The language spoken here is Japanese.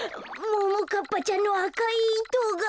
ももかっぱちゃんのあかいいとが。